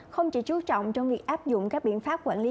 không chỉ chú trọng trong việc áp dụng các biện pháp quản lý